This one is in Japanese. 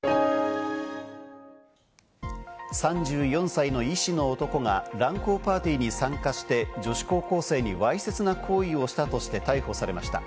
３４歳の医師の男が乱交パーティーに参加して女子高校生にわいせつな行為をしたとして逮捕されました。